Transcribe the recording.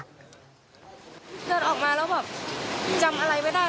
เดินออกมาแล้วแบบจำอะไรไม่ได้